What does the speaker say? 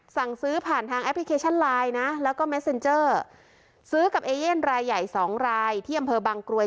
สั่งซื้อผ่านทางแอปพลิเคชันไลน์นะแล้วก็แมสเซ็นเจอร์ซื้อกับเอเย่นรายใหญ่สองรายที่อำเภอบางกรวย